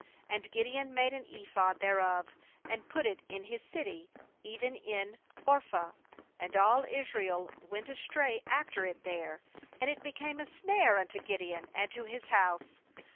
27And Gideon made an ephod thereof, and put it in his city, even in Ophrah; and all Israel went astray after it there; and it became a snare unto Gideon, and to his house.